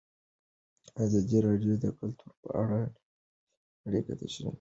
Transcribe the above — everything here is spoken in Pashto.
ازادي راډیو د کلتور په اړه نړیوالې اړیکې تشریح کړي.